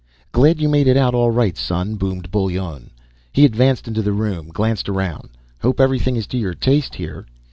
_ "Glad you made it out all right, son," boomed Bullone. He advanced into the room, glanced around. "Hope everything's to your taste here."